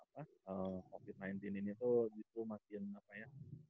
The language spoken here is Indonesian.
covid sembilan belas ini tuh justru makin apa ya